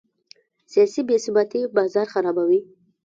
سیاسي بې ثباتي بازار خرابوي.